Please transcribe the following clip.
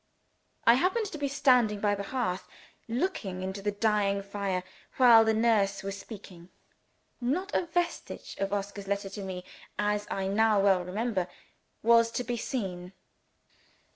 I happened to be standing by the hearth, looking into the dying fire, while the nurse was speaking. Not a vestige of Oscar's letter to me (as I now well remember) was to be seen.